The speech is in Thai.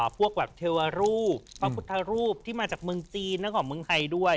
พวกแบบเทวรูปพระพุทธรูปที่มาจากเมืองจีนแล้วก็เมืองไทยด้วย